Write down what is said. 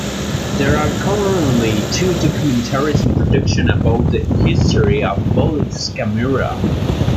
There are currently two documentaries in production about the history of the Bolex camera.